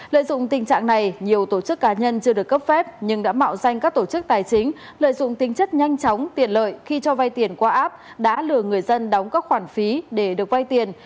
lợi dụng tình trạng này nhiều tổ chức cá nhân chưa được cấp phép nhưng đã mạo danh các tổ chức tài chính lợi dụng tính chất nhanh chóng tiện lợi khi cho vay tiền qua app đã lừa người dân đóng các khoản phí để được vay tiền